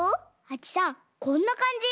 はちさんこんなかんじ？